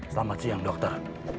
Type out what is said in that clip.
selamat siang dokter